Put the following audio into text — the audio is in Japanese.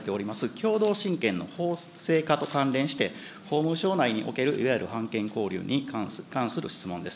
共同親権の法制化と関連して、法務省内におけるいわゆる判検交流に関する質問です。